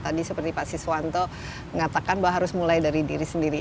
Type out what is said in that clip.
tadi seperti pak siswanto mengatakan bahwa harus mulai dari diri sendiri